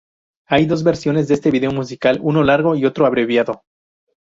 Hay dos versiones de este vídeo musical, uno largo y otro abreviado.